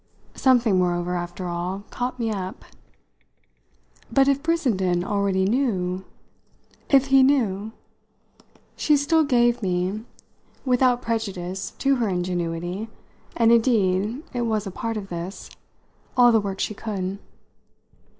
Something, moreover, after all, caught me up. "But if Brissenden already knew ?" "If he knew ?" She still gave me, without prejudice to her ingenuity and indeed it was a part of this all the work she could.